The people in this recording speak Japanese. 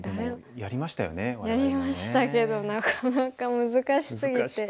やりましたけどなかなか難しすぎて。